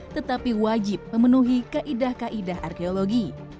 tetapi wajib memenuhi kaidah kaidah arkeologi